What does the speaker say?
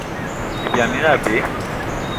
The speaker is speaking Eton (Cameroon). Ibyani ine abe.